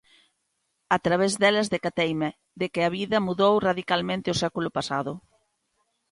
A través delas decateime de que a vida mudou radicalmente o século pasado.